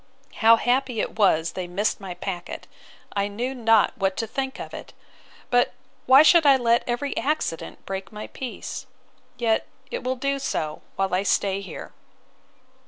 —How happy it was they missed my packet! I knew not what to think of it!—But why should I let every accident break my peace? Yet it will do so, while I stay here.